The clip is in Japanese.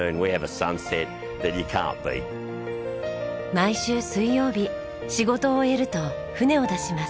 毎週水曜日仕事を終えると船を出します。